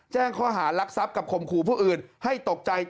แจ้งข้อหารักษัพกับคมครูผู้อื่นให้ตกใจ